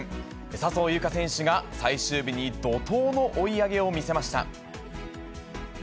笹生優花選手が最終日に怒とうの追い上げを見せました。